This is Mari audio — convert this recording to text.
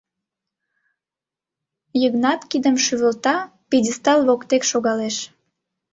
Йыгнат кидым шӱвылта, пьедестал воктек шогалеш.